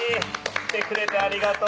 来てくれてありがとう。